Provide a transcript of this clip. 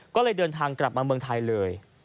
ก็เลยเดินทางกลับมาเมืองไทยเลย